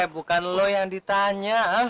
bukan lu yang ditanya